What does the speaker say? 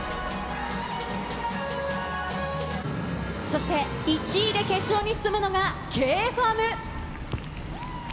そして１位で決勝に進むのが、Ｋｆａｍ。